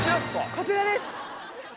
こちらです。